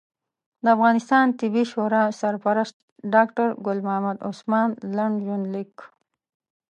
د افغانستان طبي شورا سرپرست ډاکټر ګل محمد عثمان لنډ ژوند لیک